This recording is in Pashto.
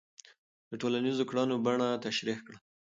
د ټولنیزو کړنو بڼه تشریح کړه.